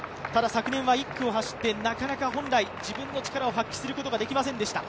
昨年は１区を走ってなかなか本来自分の力を発揮することができませんでした。